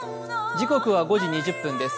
時刻は５時２０分です。